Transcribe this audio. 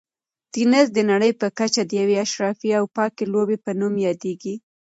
تېنس د نړۍ په کچه د یوې اشرافي او پاکې لوبې په نوم یادیږي.